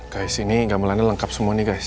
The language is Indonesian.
guys ini gamelannya lengkap semua nih guys